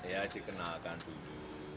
ya dikenalkan dulu